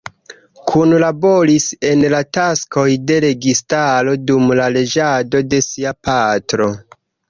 Kunlaboris en la taskoj de registaro dum la reĝado de sia patro.